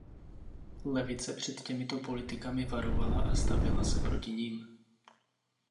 Levice před těmto politikami varovala a stavěla se proti nim.